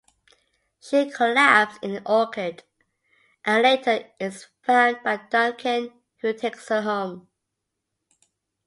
She collapses in orchard, and later is found by Duncan, who takes her home.